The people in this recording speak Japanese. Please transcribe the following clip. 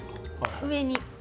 上に。